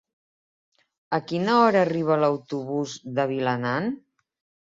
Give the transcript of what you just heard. A quina hora arriba l'autobús de Vilanant?